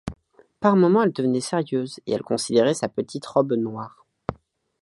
Par moments elle devenait sérieuse et elle considérait sa petite robe noire.